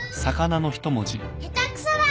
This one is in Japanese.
下手くそだ！